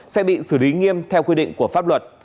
sẽ bị xử lý nghiêm theo quy định của pháp luật